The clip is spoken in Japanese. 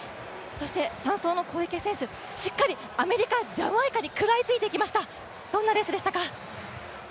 そして３走の小池選手、しっかりアメリカ、ジャマイカに食らいついていきました、どうでしたか？